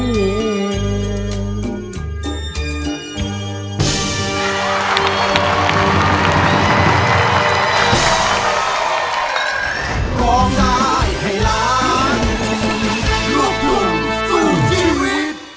หัวใจ